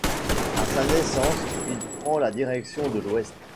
À sa naissance, il prend la direction de l'ouest.